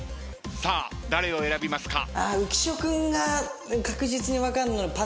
さあ誰を選びますか？